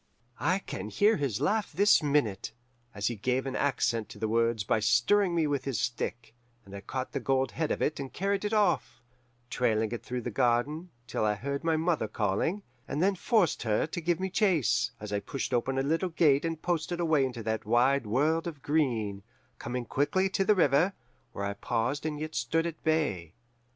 "I can hear his laugh this minute, as he gave an accent to the words by stirring me with his stick, and I caught the gold head of it and carried it off, trailing it through the garden, till I heard my mother calling, and then forced her to give me chase, as I pushed open a little gate and posted away into that wide world of green, coming quickly to the river, where I paused and stood at bay.